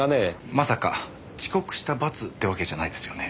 まさか遅刻した罰ってわけじゃないですよね？